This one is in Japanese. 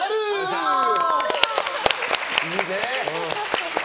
いいね。